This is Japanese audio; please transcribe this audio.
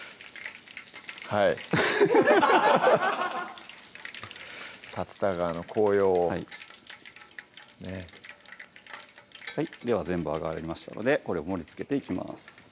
はい竜田川の紅葉をねっでは全部揚がりましたのでこれを盛りつけていきます